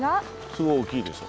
すごい大きいでしょ。